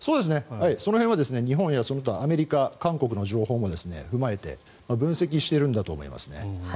その辺は日本やアメリカ、韓国その他の情報も踏まえて分析しているんだと思います。